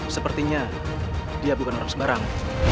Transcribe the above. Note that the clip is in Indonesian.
sepertinya dia bukan orang sembarang